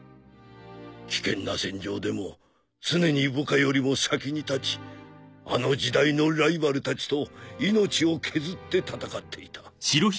危険な戦場でも常に部下よりも先に立ちあの時代のライバルたちと命を削って戦っていた。